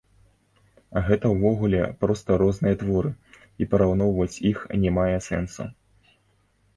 Гэта ўвогуле проста розныя творы, і параўноўваць іх не мае сэнсу.